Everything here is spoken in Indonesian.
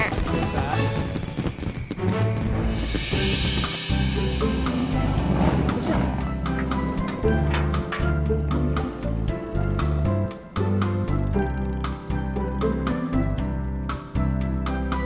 tunggu daftar sama